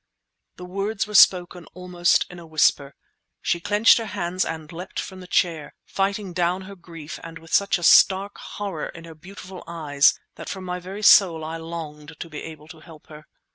The words were spoken almost in a whisper. She clenched her hands and leapt from the chair, fighting down her grief and with such a stark horror in her beautiful eyes that from my very soul I longed to be able to help her.